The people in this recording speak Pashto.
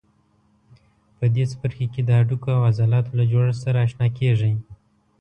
په دې څپرکي کې د هډوکو او عضلاتو له جوړښت سره آشنا کېږئ.